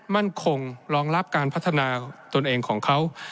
มั่นคงรองรับการพัฒนาตนเองของเขา